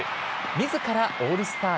みずからオールスター